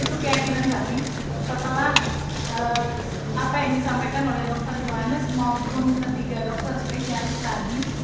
itu keyakinan kami setelah apa yang disampaikan oleh dokter iwanis maupun ketiga dokter spesialis tadi